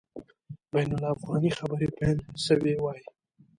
بین الافغاني خبري پیل سوي وای.